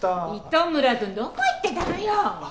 糸村くんどこ行ってたのよ！